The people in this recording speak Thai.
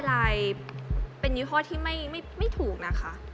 เป็๑๙๖๑ถานัยเป็นยูธทุกข้อไม่ถูกนะคะ